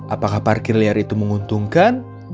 apakah parkir liar itu menguntungkan